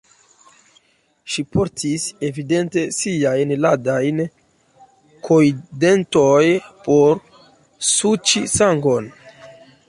Ŝi portis, evidente, siajn ladajn kojndentojn, por suĉi sangon.